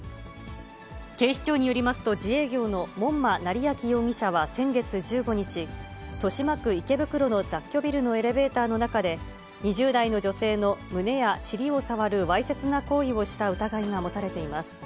警視庁によりますと、自営業の門馬成顕容疑者は先月１５日、豊島区池袋の雑居ビルのエレベーターの中で、２０代の女性の胸や尻を触るわいせつな行為をした疑いが持たれています。